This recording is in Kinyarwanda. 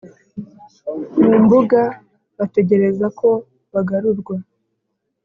mumbuga bategereza ko bagarurwa.